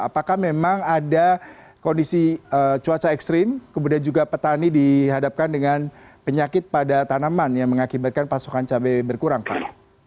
apakah memang ada kondisi cuaca ekstrim kemudian juga petani dihadapkan dengan penyakit pada tanaman yang mengakibatkan pasokan cabai berkurang pak